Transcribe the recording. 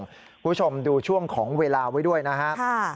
คุณผู้ชมดูช่วงของเวลาไว้ด้วยนะครับ